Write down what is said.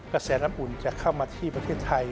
กระแสน้ำอุ่นจะเข้ามาที่ประเทศไทย